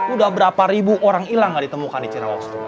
udah berapa ribu orang ilang nggak ditemukan di ciraos